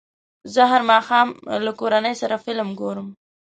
زه هر ماښام له کورنۍ سره فلم ګورم.